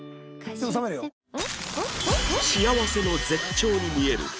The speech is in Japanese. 幸せの絶頂に見える２人